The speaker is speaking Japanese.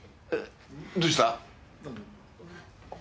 どうした？